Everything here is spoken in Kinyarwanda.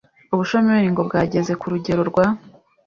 ubushomeri ngo bwageze ku rugero rwa